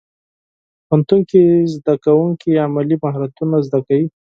پوهنتون کې زدهکوونکي عملي مهارتونه زده کوي.